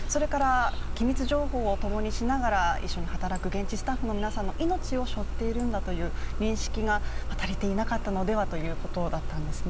機密情報をともにしながら現地で働くスタッフの皆さんの命をしょっているんだという認識が足りていなかったのではということだったんですね。